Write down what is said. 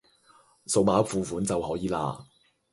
掃碼付款就可以喇